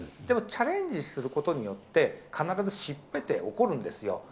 でもチャレンジすることによって、必ず失敗って起こるんですよ。